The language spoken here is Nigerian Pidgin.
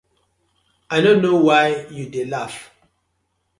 I no no wai yu dey laff.